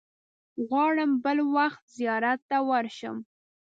غواړم بل وخت زیارت ته ورشم.